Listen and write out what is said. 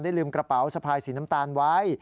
ลืมกระเป๋าสะพายสีน้ำตาลไว้